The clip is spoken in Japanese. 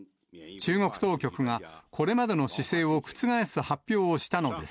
中国当局がこれまでの姿勢を覆す発表をしたのです。